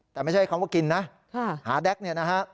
แต่ไม่ใช่คำว่ากินนะหาแก๊กเนี่ยนะฮะ